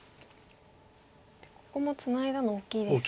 ここもツナいだの大きいですか。